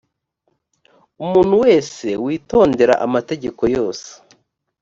umuntu wese witondera amategeko yose